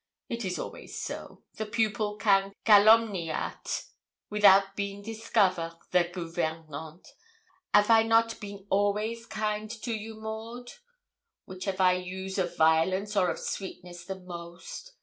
It is always so. The pupil can calomniate, without been discover, the gouvernante. 'Av I not been always kind to you, Maud? Which 'av I use of violence or of sweetness the most?